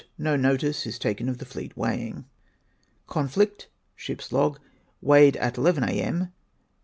— No notice is taken of the fleet weigh ing.) Conflid. Ships log. Weighed at 1 1 a.m.